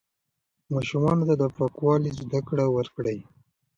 ماشومانو ته د پاکوالي زده کړه ورکړئ.